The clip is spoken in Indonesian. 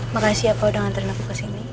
makasih ya pak udah ngantarin aku kesini